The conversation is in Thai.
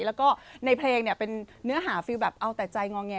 แล้วก็ในเพลงเป็นเนื้อหาเฟียบแบบเอาแต่ใจงอเงีย